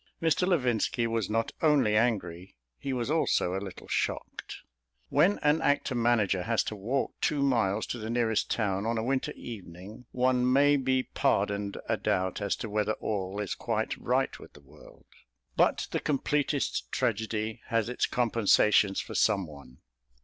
Mr. Levinski was not only angry; he was also a little shocked. When an actor manager has to walk two miles to the nearest town on a winter evening, one may be pardoned a doubt as to whether all is quite right with the world. But the completest tragedy has its compensations for some one.